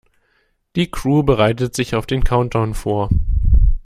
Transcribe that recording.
Die Crew bereitet sich auf den Countdown vor.